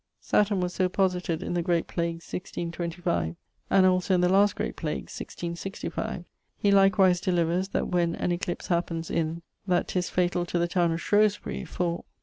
Saturn was so posited in the great plague 1625, and also in the last great plague 1665. He likewise delivers that when an eclipse happens in ... that 'tis fatall to the towne of Shrewsbury, for....